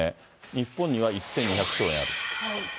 日本には１２００兆円ある。